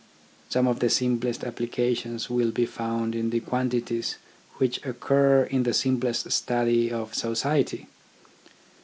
Some of the simplest applications will be found in the quantities which occur in the simplest study of society.